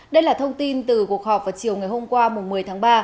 đây là thông tin từ cuộc họp vào chiều ngày hôm qua một mươi tháng ba